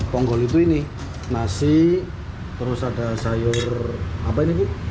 ponggol itu ini nasi terus ada sayur apa ini bu